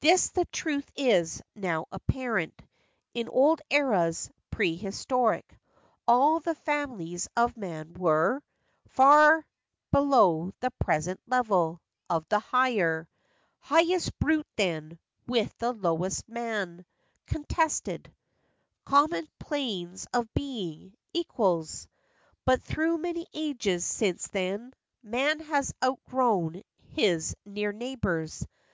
This the truth is, now apparent: In old eras, prehistoric, All the families of man were 68 FACTS AND FANCIES. Far below the present level Of the higher. Highest brute then With the lowest man, contested Common planes of being, equals. But through many ages since then Man has outgrown his near neighbors.